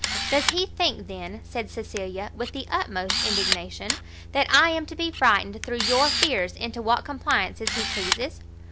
"Does he think, then," said Cecilia with the utmost indignation, "that I am to be frightened through your fears into what compliances he pleases?"